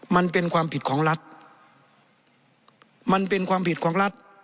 มันเป็นความผิดของรัฐมันเป็นความผิดของรัฐ